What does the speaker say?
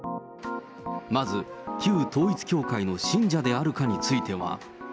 まず、旧統一教会の信者であるかについては。